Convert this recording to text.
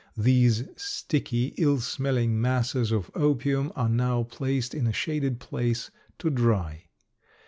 These sticky, ill smelling masses of opium are now placed in a shaded place to dry.